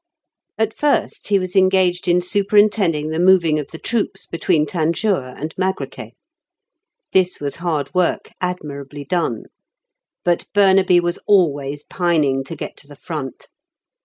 At first he was engaged in superintending the moving of the troops between Tanjour and Magrakeh. This was hard work admirably done. But Burnaby was always pining to get to the front.